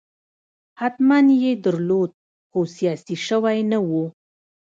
حتماً یې درلود خو سیاسي شوی نه و.